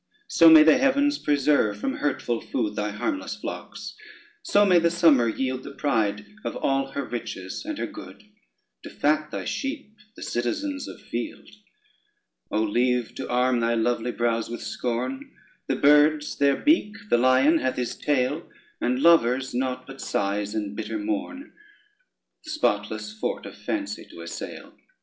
So may the heavens preserve from hurtful food Thy harmless flocks; so may the summer yield The pride of all her riches and her good, To fat thy sheep, the citizens of field. Oh, leave to arm thy lovely brows with scorn: The birds their beak, the lion hath his tail, And lovers nought but sighs and bitter mourn, The spotless fort of fancy to assail.